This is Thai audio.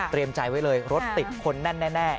เตรียมใจไว้เลยรถติดคนแน่แน่